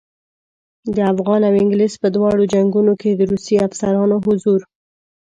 د افغان او انګلیس په دواړو جنګونو کې د روسي افسرانو حضور.